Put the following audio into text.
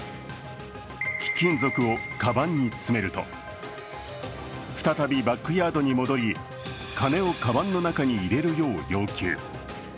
貴金属をカバンに詰めると再びバックヤードに戻り、金をかばんの中に入れるよう要求。